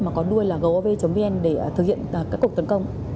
mà có đuôi là gov vn để thực hiện các cuộc tấn công